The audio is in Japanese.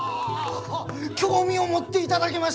興味を持っていだだげましたが！